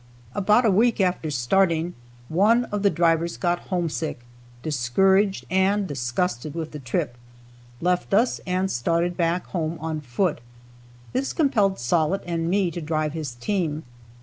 About a week after starting, one of the drivers got homesick, discouraged and disgusted with the trip, left us and started back home on foot. This compelled Sollitt and me to drive his team.